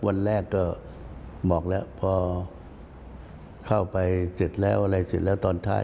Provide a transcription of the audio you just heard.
วันแรกก็หมอกแล้วพอเข้าไปเสร็จแล้วตอนท้าย